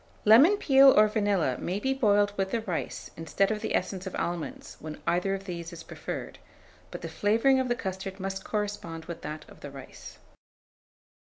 Lemon peel or vanilla may be boiled with the rice instead of the essence of almonds, when either of these is preferred; but the flavouring of the custard must correspond with that of the rice.